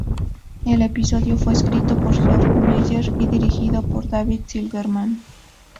El episodio fue escrito por George Meyer y dirigido por David Silverman.